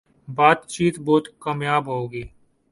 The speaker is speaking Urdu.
باتچیت بہت کامیاب ہو گی